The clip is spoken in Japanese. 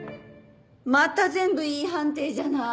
また全部Ｅ判定じゃない。